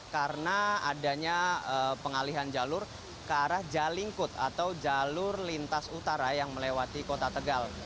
karena adanya pengalihan jalur ke arah jalingkut atau jalur lintas utara yang melewati kota tegal